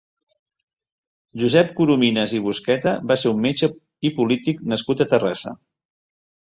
Josep Corominas i Busqueta va ser un metge i polític nascut a Terrassa.